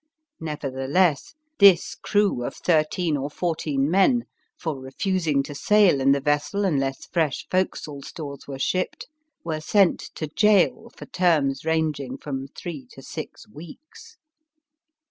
Nevertheless, U \ CLARK RUSSELL 35 this crew of thirteen or fourteen men, for refusing to sail in the vessel unless fresh forecastle stores were shipped, were sent to gaol for terms ranging from three to six weeks.